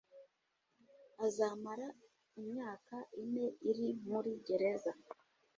azamara imyaka ine iri muri gereza